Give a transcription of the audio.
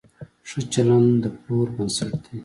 ښه چلند د پلور بنسټ دی.